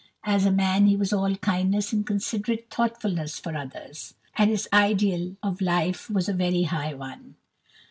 As a man he was all kindliness and considerate thoughtfulness for others, and his ideal of life was a very high one.